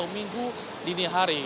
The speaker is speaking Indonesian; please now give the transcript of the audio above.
minggu dini hari